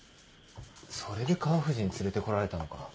それで川藤に連れてこられたのか。